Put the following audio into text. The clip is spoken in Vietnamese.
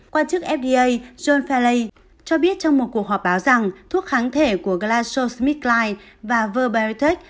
quan chức fda john fellay cho biết trong một cuộc họp báo rằng thuốc kháng thể của glaxosmithkline và verbiotech